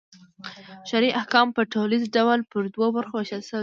شرعي احکام په ټوليز ډول پر دوو برخو وېشل سوي دي.